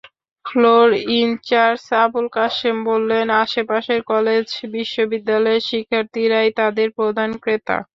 Floor incharge Abul Kashem বললেন, আশপাশের কলেজ-বিশ্ববিদ্যালয়ের শিক্ষার্থীরাই তাঁদের প্রধান ক্রেতা।